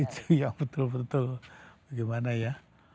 itu yang betul betul bagaimana ya